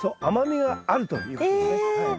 甘みがあるということですね。